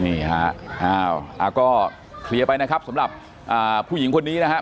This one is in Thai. นี่ฮะอ้าวก็เคลียร์ไปนะครับสำหรับผู้หญิงคนนี้นะครับ